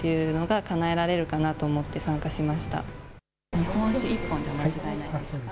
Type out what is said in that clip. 日本酒１本でお間違いないですか。